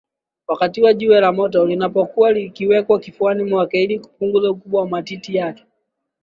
wakati jiwe la moto linapokuwa likiwekwa kifuani mwake ili kupunguza ukubwa wa matiti yake